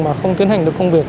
mà không tiến hành được công việc